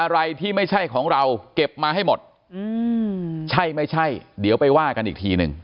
อะไรที่ไม่ใช่ของเราเก็บมาให้หมดใช่ไม่ใช่เดี๋ยวไปว่ากันอีกทีหนึ่ง